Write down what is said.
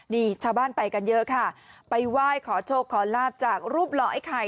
นี่ชาวบ้านไปกันเยอะค่ะไปไหว้ขอโชคขอลาบจากรูปหล่อไอ้ไข่